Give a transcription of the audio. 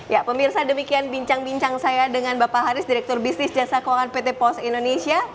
ya pemirsa demikian bincang bincang saya dengan bapak haris direktur bisnis jasa keuangan pt pos indonesia